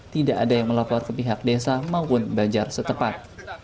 tidak ada yang melapor ke pihak desa maupun banjar setepat